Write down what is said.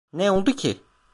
Ne oldu ki?